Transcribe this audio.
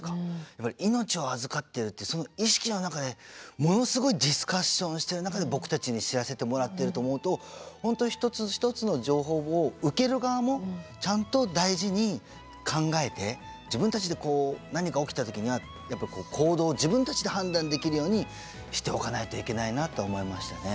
やっぱり命を預かってるってその意識の中でものすごいディスカッションしてる中で僕たちに知らせてもらってると思うと本当一つ一つの情報を受ける側もちゃんと大事に考えて自分たちでこう何か起きた時にはやっぱり行動を自分たちで判断できるようにしておかないといけないなと思いましたね。